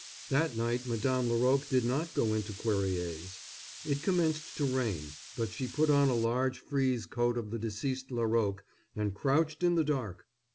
That night Madame Laroque did not go into Cuerrier's. It commenced to rain, but she put on a large frieze coat of the deceased Laroque and crouched in the dark.